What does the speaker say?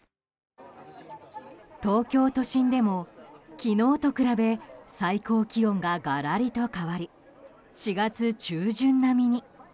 東京都心でも昨日と比べ最高気温が、がらりと変わり４月中旬並みに。